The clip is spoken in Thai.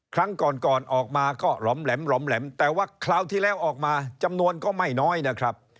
ครั้งก่อนก่อนออกมาก็หล่อมแหลมแต่ว่าคราวที่แล้วออกมาจำนวนก็ไม่น้อยนะครับ